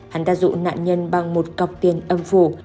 hắn đã dụ nạn nhân bằng một cọc tiền âm phủ